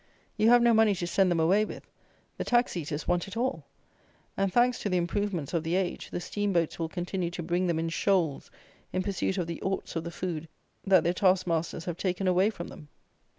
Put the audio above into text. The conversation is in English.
You have no money to send them away with: the tax eaters want it all; and thanks to the "improvements of the age," the steam boats will continue to bring them in shoals in pursuit of the orts of the food that their task masters have taken away from them.